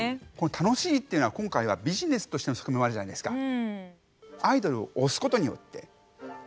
楽しいっていうのは今回はビジネスとしての側面もあるじゃないですか。